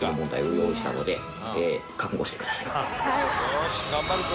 「よーし頑張るぞ！」